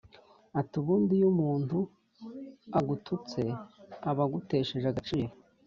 ati “ubundi iyo umuntu agututse aba agutesheje agaciro